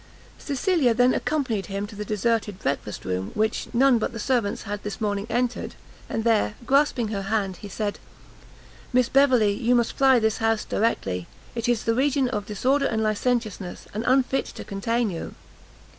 Cecilia then accompanied him to the deserted breakfast room, which none but the servants had this morning entered, and there, grasping her hand, he said, "Miss Beverley, you must fly this house directly! it is the region of disorder and licentiousness, and unfit to contain you."